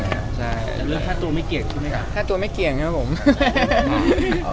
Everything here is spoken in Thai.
แล้วเรื่องค่าตัวไม่เกี่ยงใช่ไหมครับ